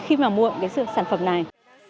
khi mà mua cái sản phẩm này